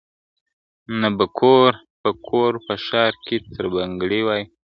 نه به کور په کور په ښار کي تربګني وای !.